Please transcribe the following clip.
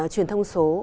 truyền thông số